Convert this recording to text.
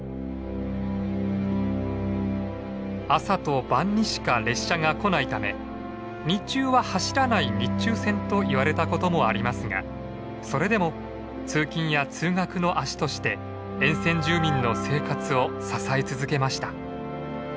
朝と晩にしか列車が来ないため「日中は走らない日中線」といわれたこともありますがそれでも通勤や通学の足として沿線住民の生活を支え続けました。